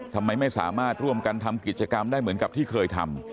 ทำไมไม่สามารถร่วมกันทำกิจกรรมได้เหมือนกับที่เคยทำ